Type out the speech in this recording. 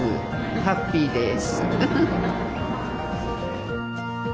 ハッピーです。